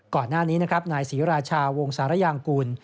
ก่อนหน้านี้นายศรีราชาวงศ์สารยางกูล